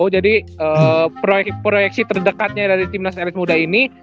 jadi proyeksi terdekatnya dari tim nasional muda ini